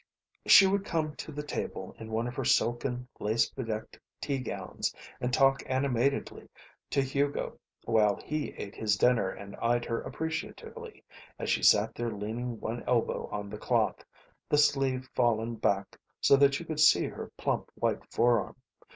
She would come to the table in one of her silken, lace bedecked teagowns and talk animatedly to Hugo while he ate his dinner and eyed her appreciatively as she sat there leaning one elbow on the cloth, the sleeve fallen back so that you saw her plump white forearm.